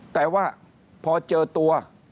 แต่ว่าพอเจอตัว